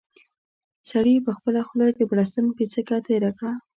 سړي په خپله خوله د بړستن پېڅکه تېره کړه.